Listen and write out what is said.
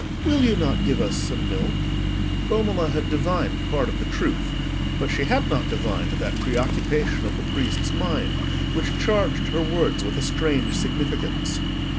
Will you not give us some milk?" Romola had divined part of the truth, but she had not divined that preoccupation of the priest's mind which charged her words with a strange significance.